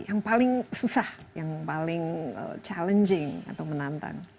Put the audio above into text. yang paling susah yang paling menantang